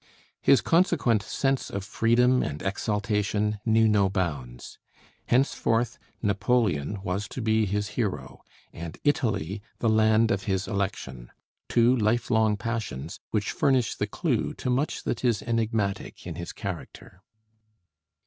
His consequent sense of freedom and exaltation knew no bounds. Henceforth Napoleon was to be his hero, and Italy the land of his election; two lifelong passions which furnish the clew to much that is enigmatic in his character.